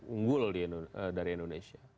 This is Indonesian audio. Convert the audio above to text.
unggul dari indonesia